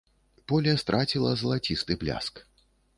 Поле страціла залацісты бляск.